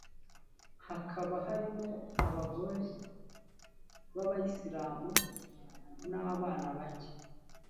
hakaba harimo abagore b abisilamu n abana bake